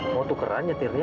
mau tukeran nyetirnya